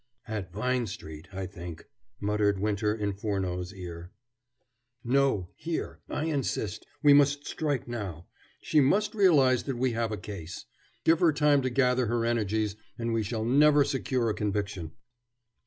"At Vine Street, I think," muttered Winter in Furneaux's ear. "No, here, I insist; we must strike now. She must realize that we have a case. Give her time to gather her energies and we shall never secure a conviction."